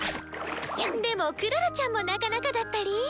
でもクララちゃんもなかなかだったり？